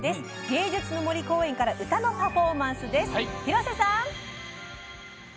芸術の森公園から歌のパフォーマンスです。